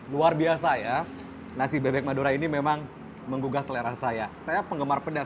luar biasa ya nasi bebek madura ini memang menggugah selera saya saya penggemar pedas